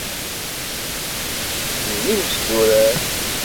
N yimesdurar.